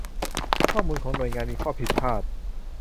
ข้อมูลของหน่วยงานมีข้อผิดพลาด